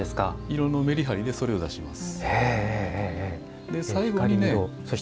色のメリハリでそれを出します。